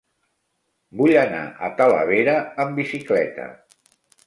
Vull anar a Talavera amb bicicleta.